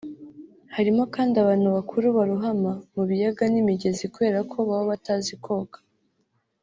Harimo kandi abantu bakuru barohama mu biyaga n’imigezi kubera ko baba batazi koga